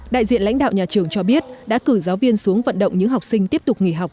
đại diện lãnh đạo nhà trường cho biết đã cử giáo viên xuống vận động những học sinh tiếp tục nghỉ học